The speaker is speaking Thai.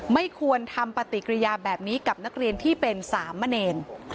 ไม่ควรทำปฏิกิริยาแบบนี้กับนักเรียนที่เป็นสามเณร